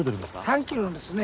３キロですね。